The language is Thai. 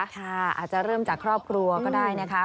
อาจจะเริ่มจากครอบครัวก็ได้นะคะ